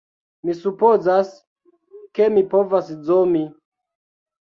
Mi supozas, ke mi povas zomi